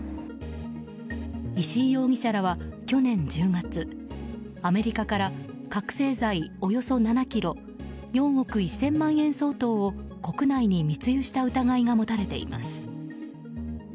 石井容疑者らは去年１０月アメリカから覚醒剤およそ７ｋｇ４億１０００万円相当を国内に密輸した疑いが持たれています。